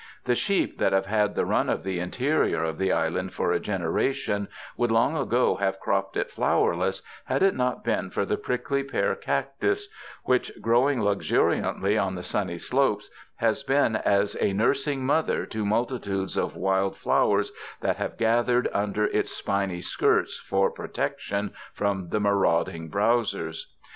The sheep that have had the run of the interior of the island for a generation, would long ago have cropped it flowerless, had it not been for the prickly pear cactus, which, growing luxuri antly on the sunny slopes has been as a nursing mother to multitudes of wild flowers that have gathered under its spiny skirts for protection from the marauding browsers.